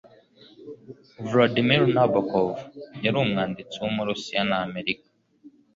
Vladimir Nabokov yari umwanditsi w’Uburusiya n’Amerika.